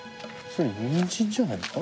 それにんじんじゃないか？